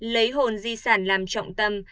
lấy hồn di sản làm trọng tâm